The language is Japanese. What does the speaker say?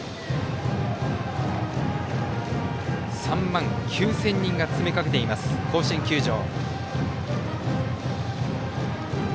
３万９０００人が詰めかけています、甲子園球場。